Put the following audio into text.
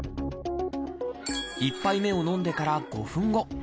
１杯目を飲んでから５分後。